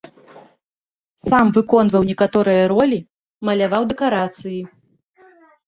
Сам выконваў некаторыя ролі, маляваў дэкарацыі.